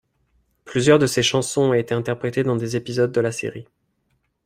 Plusieurs de ces chansons ont été interprétées dans des épisodes de la série.